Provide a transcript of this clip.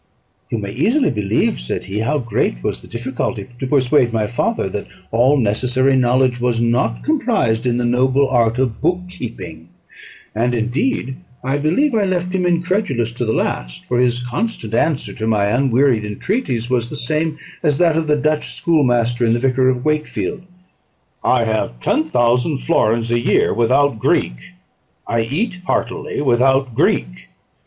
"You may easily believe," said he, "how great was the difficulty to persuade my father that all necessary knowledge was not comprised in the noble art of book keeping; and, indeed, I believe I left him incredulous to the last, for his constant answer to my unwearied entreaties was the same as that of the Dutch schoolmaster in the Vicar of Wakefield: 'I have ten thousand florins a year without Greek, I eat heartily without Greek.'